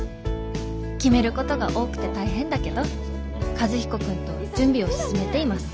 決めることが多くて大変だけど和彦君と準備を進めています」。